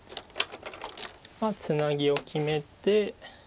まあツナギを決めて。